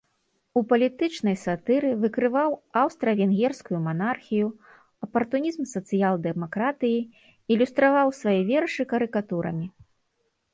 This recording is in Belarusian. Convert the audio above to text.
У палітычнай сатыры выкрываў аўстра-венгерскую манархію, апартунізм сацыял-дэмакратыі, ілюстраваў свае вершы карыкатурамі.